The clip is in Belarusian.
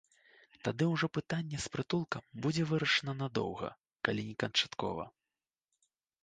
Тады ўжо пытанне з прытулкам будзе вырашана надоўга, калі не канчаткова.